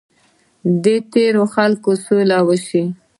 د تیرا د خلکو سوله وشي.